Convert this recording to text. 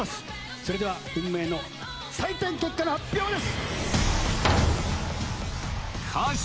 それでは運命の採点結果の発表です！